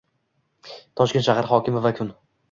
Toshkent shahar hokimi va Kun